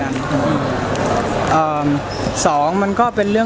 สาเหตุหลักคืออะไรหรอครับผมว่าสาเหตุหลักคือ